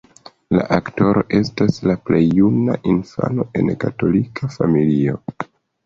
La aktoro estas la plej juna infano en katolika familio.